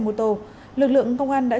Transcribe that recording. mô tô lực lượng công an đã